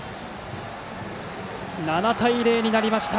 ７対０になりました。